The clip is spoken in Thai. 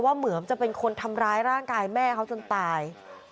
เหมือนจะเป็นคนทำร้ายร่างกายแม่เขาจนตาย